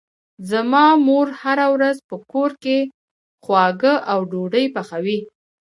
زما مور هره ورځ په کور کې خواږه او ډوډۍ پخوي.